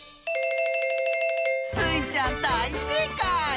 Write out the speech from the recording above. スイちゃんだいせいかい！